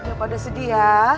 jangan pada sedih ya